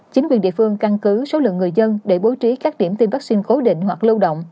chính quyền địa phương căn cứ số lượng người dân để bố trí các điểm tiêm vaccine cố định hoặc lâu động